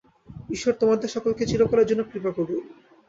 ঈশ্বর তোমাদের সকলকে চিরকালের জন্য কৃপা করুন।